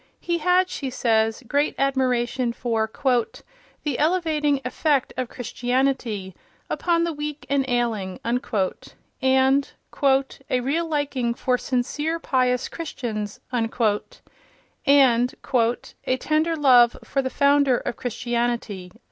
He had, she says, great admiration for "the elevating effect of Christianity ... upon the weak and ailing," and "a real liking for sincere, pious Christians," and "a tender love for the Founder of Christianity."